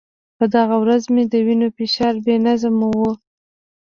په دغه ورځ مې د وینې فشار بې نظمه و.